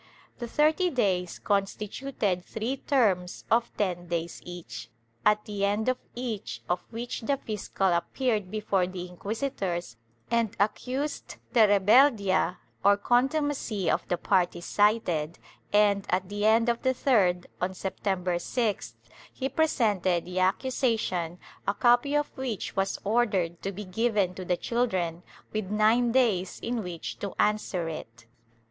The thirty days constituted three terms of ten days each, at the end of each of which the fiscal appeared before the inquisitors and accused the reheldia or contumacy of the parties cited and, at the end of the third, on September 6th, he presented the accusa tion, a copy of which was ordered to be given to the children, with nine days in which to answer it.